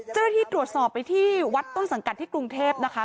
เจ้าหน้าที่ตรวจสอบไปที่วัดต้นสังกัดที่กรุงเทพนะคะ